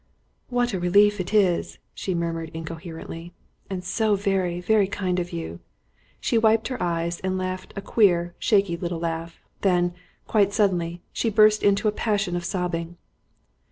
"What a relief it is," she murmured incoherently; "and so very, very kind of you!" She wiped her eyes and laughed a queer, shaky little laugh; then, quite suddenly, she burst into a passion of sobbing.